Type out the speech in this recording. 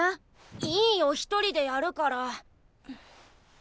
いいよ一人でやるから。